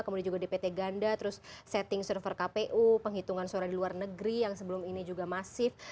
kemudian juga dpt ganda terus setting server kpu penghitungan suara di luar negeri yang sebelum ini juga masif